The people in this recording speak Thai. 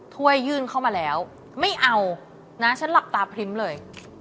ถ้วยยื่นเข้ามาแล้วไม่เอานะฉันหลับตาพริ้มเลย